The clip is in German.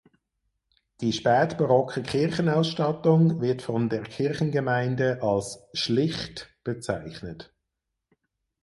Die spätbarocke Kirchenausstattung wird von der Kirchengemeinde als „schlicht“ bezeichnet.